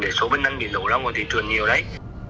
để số bên anh bị lộ ra còn thị trường nhiều đấy